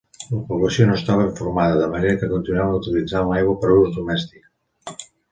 La població no estava informada, de manera que continuaven utilitzant l'aigua per a ús domèstic.